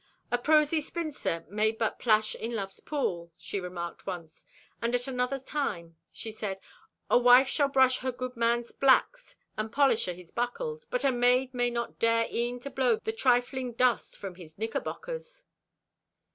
"A prosy spinster may but plash in love's pool," she remarked once, and at another time she said: "A wife shall brush her goodman's blacks and polish o' his buckles, but a maid may not dare e'en to blow the trifling dust from his knickerbockers."